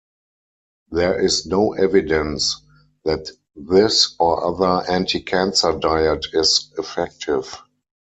There is no evidence that this or other "anti-cancer" diet is effective.